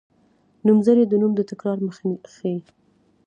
نومځری د نوم د تکرار مخه ښيي.